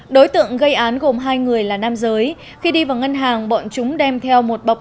đối tượng gây án gồm hai người là nam giới khi đi vào ngân hàng bọn chúng đem theo một bọc